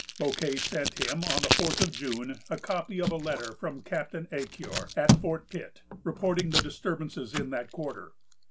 Bouquet sent him, on the fourth of June, a copy of a letter from Captain Ecuyer, at Fort Pitt, reporting the disturbances in that quarter.